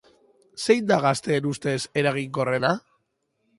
Zein da, gazteen ustez, eraginkorrena?